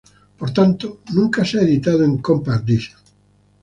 Por tanto, nunca se ha editado en compact disc.